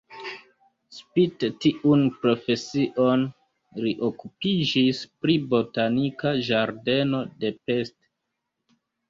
Spite tiun profesion li okupiĝis pri botanika ĝardeno de Pest.